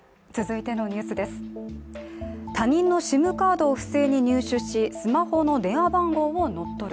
他人のＳＩＭカードを不正に入手しスマホの電話番号を乗っ取る。